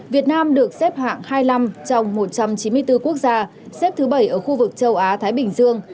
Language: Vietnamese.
việt nam được xếp hạng hai mươi năm trong một trăm chín mươi bốn quốc gia xếp thứ bảy ở khu vực châu á thái bình dương